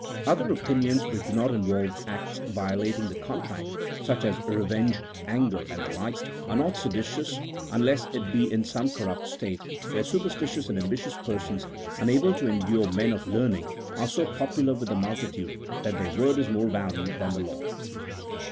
Other opinions which do not involve acts violating the contract, such as revenge, anger, and the like, are not seditious, unless it be in some corrupt state, where super stitious and ambitious persons, unable to endure men of CHAP. XX.] FE3ED0M OF THOUGHT AND SPEECH. '261 learning, are so popular with the multitude that their word is more valued than the law.